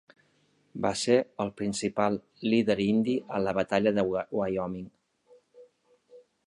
Va ser el principal líder indi a la batalla de Wyoming.